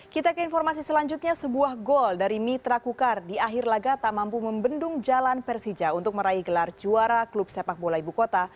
kita ke informasi selanjutnya sebuah gol dari mitra kukar di akhir laga tak mampu membendung jalan persija untuk meraih gelar juara klub sepak bola ibu kota